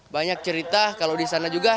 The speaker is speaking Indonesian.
banyak cerita kalau di sana juga